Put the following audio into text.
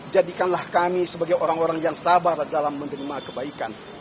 jadikanlah kami sebagai orang orang yang sabar dalam menerima kebaikan